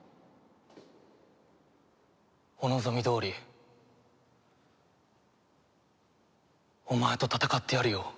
お望みどおりお前と戦ってやるよ。